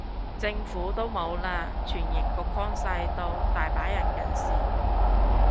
政府都冇啦，傳譯個框細到，大把人近視